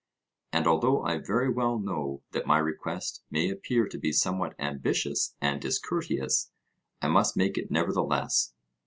And although I very well know that my request may appear to be somewhat ambitious and discourteous, I must make it nevertheless.